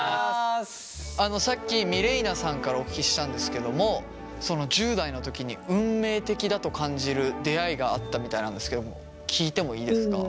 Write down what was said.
さっきミレイナさんからお聞きしたんですけども１０代の時に運命的だと感じる出会いがあったみたいなんですけれども聞いてもいいですか？